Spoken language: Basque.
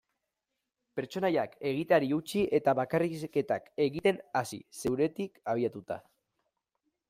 Pertsonaiak egiteari utzi eta bakarrizketak egiten hasi, zeuretik abiatuta.